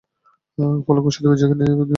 ফলে ঘোষিত বিজয়ীকে নিয়ে বিতর্ক ছড়ায়।